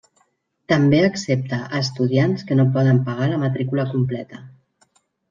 També accepta a estudiants que no poden pagar la matrícula completa.